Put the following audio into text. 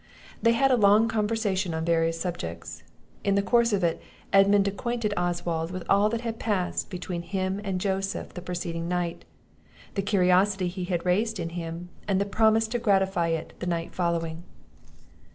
They had a long conversation on various subjects; in the course of it, Edmund acquainted Oswald with all that had passed between him and Joseph the preceding night, the curiosity he had raised in him, and his promise to gratify it the night following.